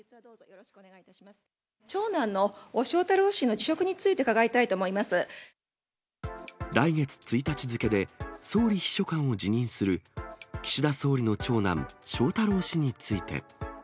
長男の翔太郎氏の辞職につい来月１日付で、総理秘書官を辞任する岸田総理の長男、翔太郎氏について。